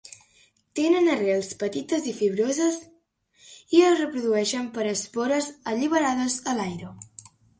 Tenen arrels petites i fibroses i es reprodueixen per espores alliberades a l'aire.